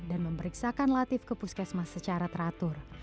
dan memeriksakan latif ke puskesmas secara teratur